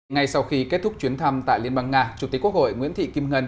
ngay sau khi kết thúc chuyến thăm tại liên bang nga chủ tịch quốc hội nguyễn thị kim ngân